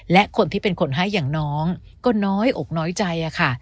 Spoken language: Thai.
และคนที่เป็นคนให้อย่างน้องก็น้อยอกน้อยใจค่ะ